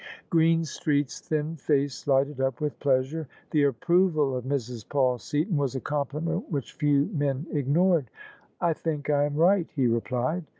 Greenstreet's thin face lighted up with pleasure. The approval of Mrs. Paul Seaton was a compliment which few men ignored. " I think I am right," he replied.